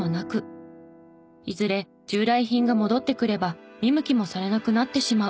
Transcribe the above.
いずれ従来品が戻ってくれば見向きもされなくなってしまう。